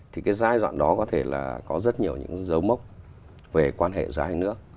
thì cái giai đoạn đó có thể là có rất nhiều những dấu mốc về quan hệ giữa hai nước